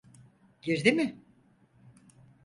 Girdi mi?